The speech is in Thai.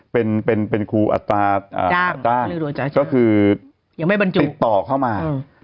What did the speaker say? เป็นครูอาตารย์ก็คือติดต่อเข้ามา